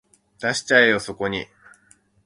出しちゃえよそこに